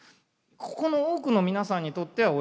ここの多くの皆さんにとっては親の世代。